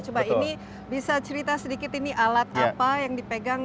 coba ini bisa cerita sedikit ini alat apa yang dipegang